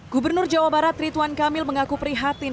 gubernur jawa barat rituan kamil mengaku prihatin